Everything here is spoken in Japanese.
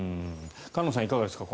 菅野さん、いかがですか？